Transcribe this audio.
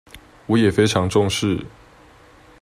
我也非常重視